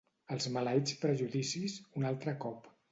Els maleïts prejudicis, un altre cop.